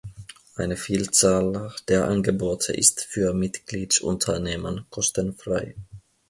Eine Vielzahl der Angebote ist für Mitgliedsunternehmen kostenfrei.